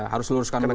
harus luruskan dulu